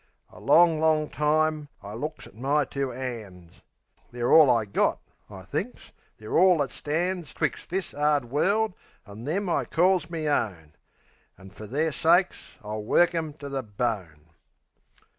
A long, long time I looks at my two 'ands. "They're all I got," I thinks, "they're all that stands Twixt this 'ard world an' them I calls me own. An' fer their sakes I'll work 'em to the bone."